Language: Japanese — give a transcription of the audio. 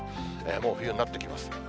もう冬になってきます。